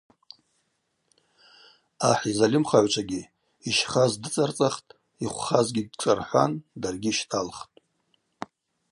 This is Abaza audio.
Ахӏ йзальымхагӏвчвагьи йщхаз дыцӏарцӏахтӏ, йхвхазгьи дшӏархӏван даргьи щтӏалхтӏ.